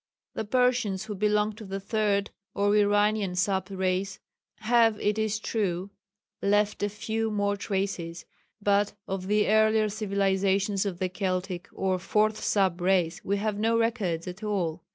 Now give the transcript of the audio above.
The Persians who belonged to the 3rd or Iranian sub race have it is true, left a few more traces, but of the earlier civilizations of the Keltic or 4th sub race we have no records at all.